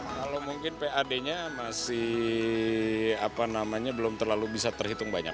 kalau mungkin pad nya masih belum terlalu bisa terhitung banyak